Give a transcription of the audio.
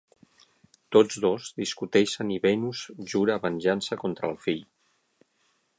Tots dos discuteixen i Venus jura venjança contra el fill.